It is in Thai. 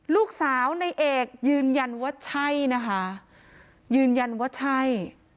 ลูกสาวในเอกยืนยันว่าใช่นะคะยืนยันว่าใช่